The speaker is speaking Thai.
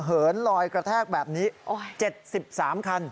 เหินลอยกระแทกแบบนี้๗๓คัน